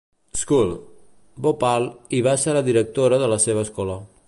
School, Bhopal i va ser la directora de la seva escola.